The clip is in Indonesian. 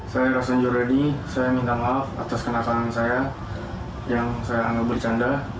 saya rason juredi saya minta maaf atas kenakan saya yang saya anggap bercanda